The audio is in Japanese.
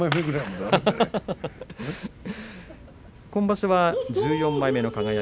今場所、１４枚目の輝。